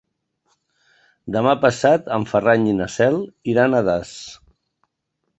Demà passat en Ferran i na Cel iran a Das.